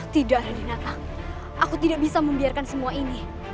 tidak radina tang aku tidak bisa membiarkan semua ini